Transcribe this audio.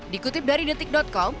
dikutip dari detik com